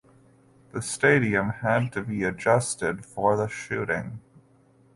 The stadium had to be adjusted for the shooting.